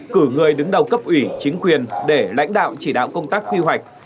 cử người đứng đầu cấp ủy chính quyền để lãnh đạo chỉ đạo công tác quy hoạch